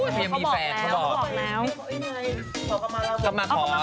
เขาบอกแล้ว